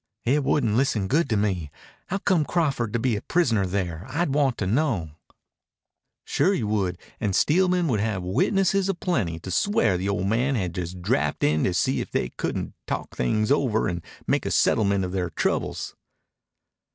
"It wouldn't listen good to me. Howcome Crawford to be a prisoner there, I'd want to know." "Sure you would, and Steelman would have witnesses a plenty to swear the old man had just drapped in to see if they couldn't talk things over and make a settlement of their troubles."